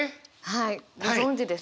はいご存じです。